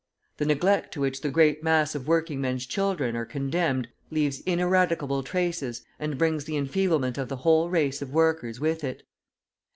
The neglect to which the great mass of working men's children are condemned leaves ineradicable traces and brings the enfeeblement of the whole race of workers with it.